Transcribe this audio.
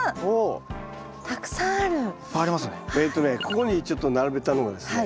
ここにちょっと並べたのはですね